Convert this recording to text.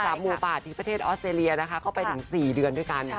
หมูป่าที่ประเทศออสเตรเลียนะคะเข้าไปถึง๔เดือนด้วยกัน